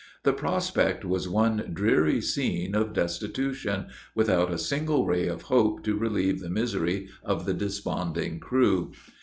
The prospect was one dreary scene of destitution, without a single ray of hope to relieve the misery of the desponding crew.